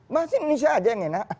masih indonesia aja yang enak